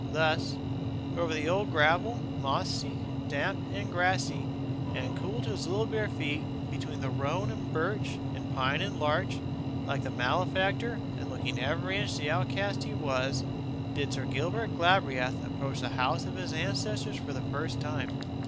Thus, over the old gravel, mossy and damp and grassy, and cool to his little bare feet, between rowan and birk and pine and larch, like a malefactor, and looking every inch the outcast he was, did Sir Gilbert Galbraith approach the house of his ancestors for the first time.